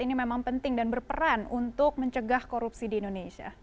ini memang penting dan berperan untuk mencegah korupsi di indonesia